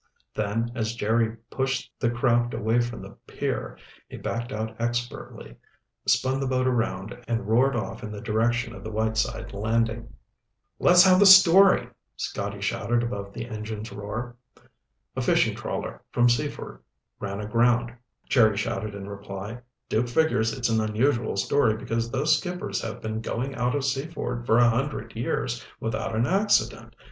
Then as Jerry pushed the craft away from the pier, he backed out expertly, spun the boat around, and roared off in the direction of the Whiteside landing. "Let's have the story," Scotty shouted above the engine's roar. "A fishing trawler from Seaford ran aground," Jerry shouted in reply. "Duke figures it's an unusual story because those skippers have been going out of Seaford for a hundred years without an accident.